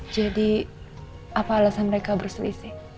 jadi apa alasan mereka berselisih